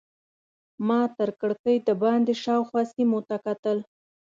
ما تر کړکۍ دباندې شاوخوا سیمو ته کتل.